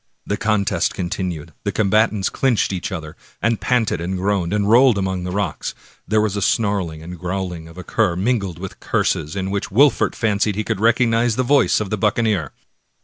The contest continued, the combatants clinched each other, and panted and groaned, and rolled among the rocks. There was snarling and growling as of a cur, mingled with curses, in which Wol fert fancied he could recognize the voice of the buccaneer.